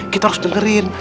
kita harus dengerin